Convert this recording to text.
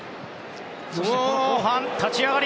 そして、後半の立ち上がり